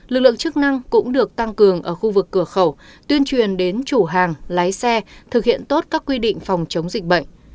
lực lượng chức năng cũng được tăng cường ở khu vực cửa khẩu tuyên truyền đến chủ hàng lái xe thực hiện tốt các quy định phòng chống dịch bệnh